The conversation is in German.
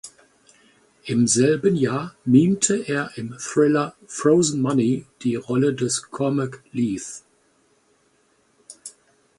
Im selben Jahr mimte er im Thriller "Frozen Money" die Rolle des "Cormac Leith".